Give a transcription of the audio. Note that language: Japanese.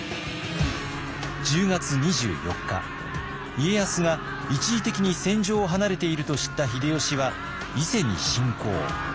家康が一時的に戦場を離れていると知った秀吉は伊勢に侵攻。